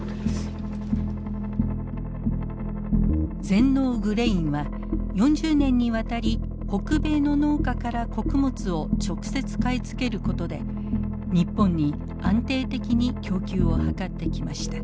全農グレインは４０年にわたり北米の農家から穀物を直接買い付けることで日本に安定的に供給を図ってきました。